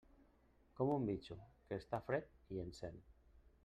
Com un bitxo, que està fred i encén.